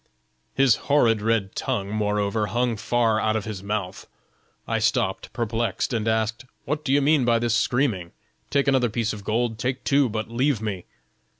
"His horrid red tongue moreover hung far out of his mouth. I stopped, perplexed, and asked: 'What do you mean by this screaming? take another piece of gold, take two, but leave me.'